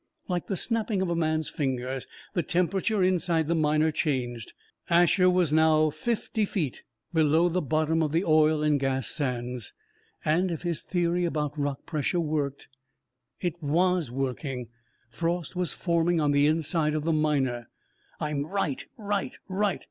Like the snapping of a man's fingers, the temperature inside the Miner changed. Asher was now fifty feet below the bottom of the oil and gas sands, and if his theory about rock pressure worked.... It was working. Frost was forming on the inside of the Miner! "I'm right right right!"